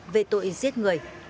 về tội giết người